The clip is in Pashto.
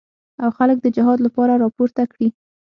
او خلک د جهاد لپاره راپورته کړي.